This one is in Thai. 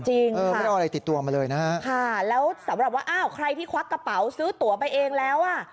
จริงค่ะค่ะแล้วสำหรับว่าอ้าวใครที่ควักกระเป๋าซื้อตัวไปเองแล้ว